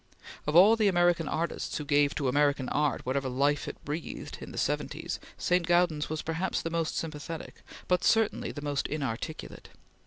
Of all the American artists who gave to American art whatever life it breathed in the seventies, St. Gaudens was perhaps the most sympathetic, but certainly the most inarticulate.